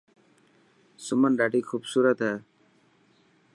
سمن ڏاڌي خوبصورت هي.